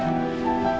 sampai jumpa lagi